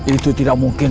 itu tidak mungkin